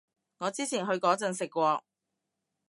我之前去嗰陣食過